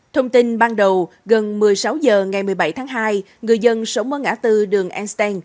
thông tin ban đầu gần một mươi sáu h ngày một mươi bảy tháng hai người dân sống ở ngã tư đường einstein